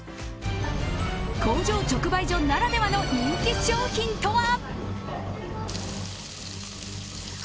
工場直売所ならではの人気商品とは。